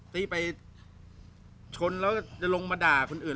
ที่ไปชนแล้วจะลงมาด่าคนอื่น